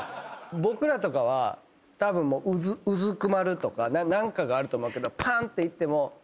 僕らとかはたぶんうずくまるとか何かがあると思うけどパーン！っていっても。